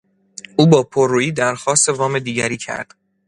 او با پررویی درخواست وام دیگری کرد.